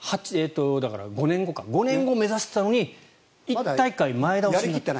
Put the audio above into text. ５年後を目指してたのに１大会前倒しになった。